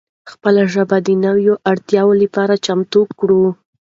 خپله ژبه د نوو اړتیاو لپاره چمتو کړو.